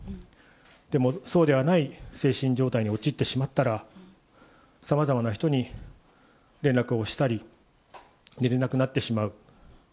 でも、そうではない精神状態に陥ってしまったら、さまざまな人に連絡をしたり、寝れなくなってしまう。